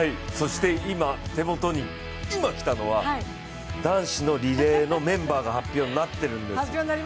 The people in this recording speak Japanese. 今、手元にきたのは男子のリレーのメンバーが発表になってるんです。